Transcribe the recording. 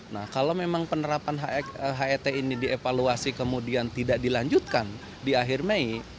nah kalau memang penerapan het ini dievaluasi kemudian tidak dilanjutkan di akhir mei